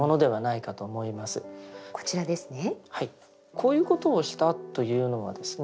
こういうことをしたというのがですね